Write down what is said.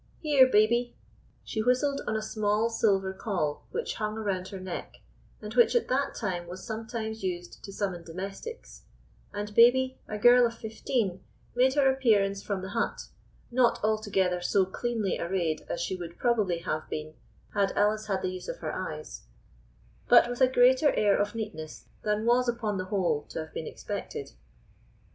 Here, Babie." She whistled on a small silver call which hung around her neck, and which at that time was sometimes used to summon domestics, and Babie, a girl of fifteen, made her appearance from the hut, not altogether so cleanly arrayed as she would probably have been had Alice had the use of her eyes, but with a greater air of neatness than was upon the whole to have been expected.